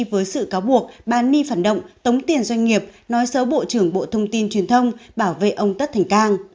với sự cáo buộc bà ni phản động tống tiền doanh nghiệp nói xấu bộ trưởng bộ thông tin truyền thông bảo vệ ông tất thành cang